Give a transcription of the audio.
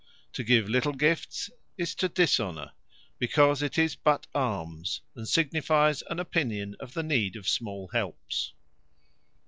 To give little gifts, is to Dishonour; because it is but Almes, and signifies an opinion of the need of small helps.